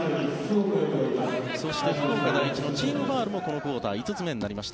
そして福岡第一のチームファウルもこのクオーター５つ目になりました。